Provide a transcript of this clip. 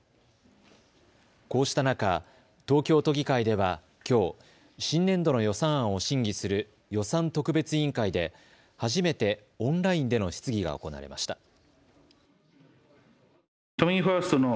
こうした中、東京都議会ではきょう新年度の予算案を審議する予算特別委員会で初めてオンラインでの質疑が行われました。